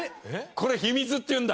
これヒミズっていうんだ。